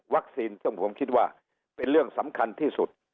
ซึ่งผมคิดว่าเป็นเรื่องสำคัญที่สุด